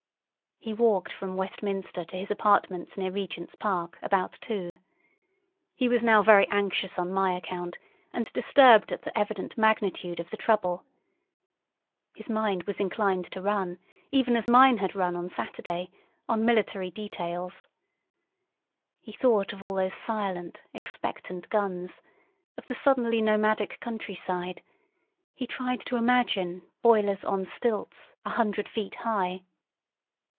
He walked from Westminster to his apartments near Regent's Park, about two. He was now very anxious on my account, and disturbed at the evident magnitude of the trouble. His mind was inclined to run, even as mine had run on Saturday, on military details. He thought of all those silent, expectant guns, of the suddenly nomadic countryside; he tried to imagine "boilers on stilts" a hundred feet high.